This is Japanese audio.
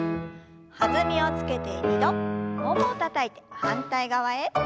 弾みをつけて２度ももをたたいて反対側へ。